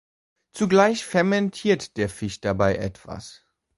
Zugleich fermentiert der Fisch dabei etwas.